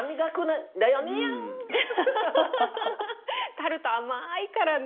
タルト甘いからね。